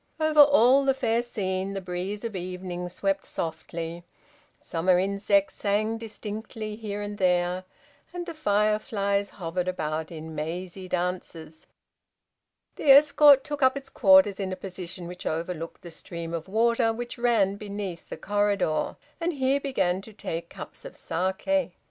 Over all the fair scene the breeze of evening swept softly, summer insects sang distinctly here and there, and the fireflies hovered about in mazy dances. The escort took up its quarters in a position which overlooked the stream of water which ran beneath the corridor, and here began to take cups of saké.